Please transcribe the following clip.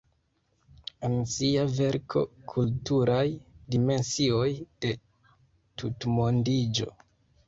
En sia verko "Kulturaj dimensioj de tutmondiĝo.